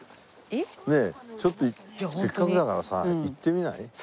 ちょっとせっかくだからさ行ってみない？